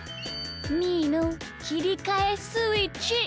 みーのきりかえスイッチ！